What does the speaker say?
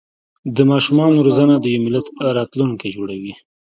د ماشومانو روزنه د یو ملت راتلونکی جوړوي.